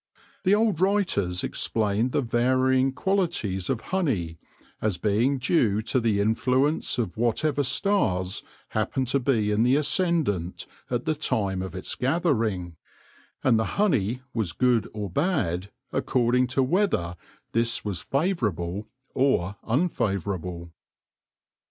The old writers explained the varying qualities of honey as being due to the influence of whatever stars happened to be in the ascendant at the time of its gathering, and the honey was good or bad according to whether this was favourable or unfavourable.